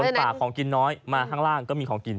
ป่าของกินน้อยมาข้างล่างก็มีของกิน